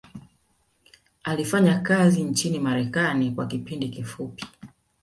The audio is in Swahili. alifanya kazi nchini marekani kwa kipindi kifupi